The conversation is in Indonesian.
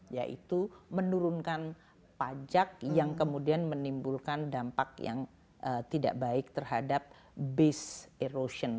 yaitu menurunkan pajak yang kemudian menimbulkan dampak yang tidak baik terhadap based erosion